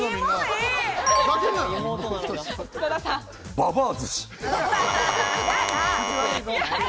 ばばあ寿司。